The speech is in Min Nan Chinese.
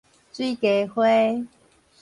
水雞花